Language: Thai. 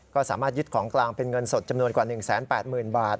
ก็สามารถยึดของกลางเป็นเงินสดจำนวนกว่า๑๘๐๐๐บาท